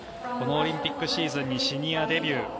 このオリンピックシーズンにシニアデビュー。